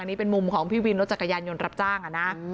นี่เป็นมุมของพี่วินรถจักรยานยนต์รับจ้างนะ